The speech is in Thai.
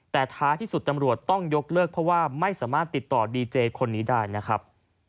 แต่ท้ายที่สุดตำรวจต้องยกเลิกเพราะว่าไม่สามารถติดต่อดีเจคนนี้ได้นะครับ